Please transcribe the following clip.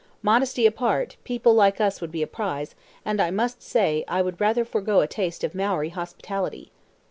Modesty apart, people like us would be a prize, and I must say, I would rather forego a taste of Maori hospitality.